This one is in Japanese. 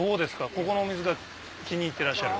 ここのお水が気に入ってらっしゃる？